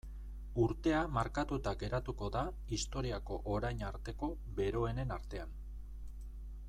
Urtea markatuta geratuko da historiako orain arteko beroenen artean.